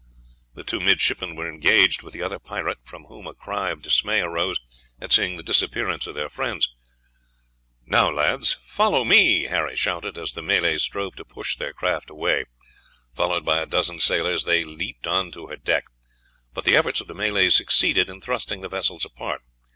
The two midshipmen were engaged with the other pirate, from whom a cry of dismay arose at seeing the disappearance of their friends. "Now, lads, follow me," Harry shouted as the Malays strove to push their craft away. Followed by a dozen sailors, they leaped on to her deck; but the efforts of the Malays succeeded in thrusting the vessels apart.